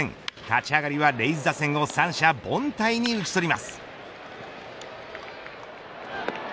立ち上がりはレイズ打線を三者凡退に打ち取ります。